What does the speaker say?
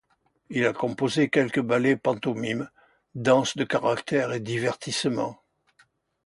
Il a composé quelques ballets-pantomimes, danses de caractère et divertissements.